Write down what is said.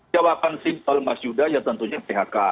jawaban simpel mas yuda ya tentunya phk